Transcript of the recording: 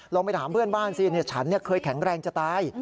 ไปถามเพื่อนบ้านสิฉันเคยแข็งแรงจะตาย